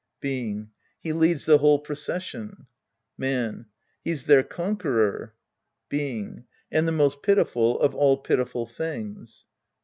Being. He leads the whole procession. Man. He's their conqueror. Being. And the most pitiful of all pitiful tilings.